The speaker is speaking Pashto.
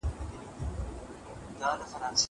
زه د کتابتوننۍ سره مرسته کړې ده.